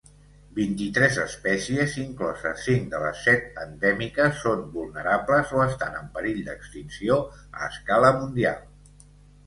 Vint-i-tres especies, incloses cinc de les set endèmiques, són vulnerables o estan en perill d"extinció a escala mundial.